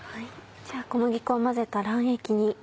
小麦粉を混ぜた卵液に。